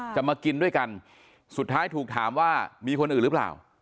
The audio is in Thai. มากินด้วยกันสุดท้ายถูกถามว่ามีคนอื่นหรือเปล่า